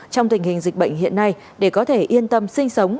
trong tình hình dịch bệnh hiện nay để có thể yên tâm sinh sống